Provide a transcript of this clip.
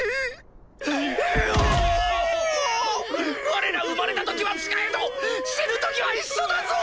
われら生まれた時は違えど死ぬ時は一緒だぞ！